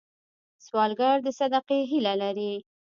سوالګر د صدقې هیله لري